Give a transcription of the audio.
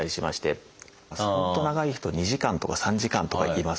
本当長い人は２時間とか３時間とかいますね。なるほど。